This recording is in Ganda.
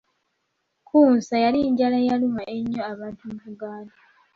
Kkunsa yali njala eyaluma ennyo abantu mu Buganda.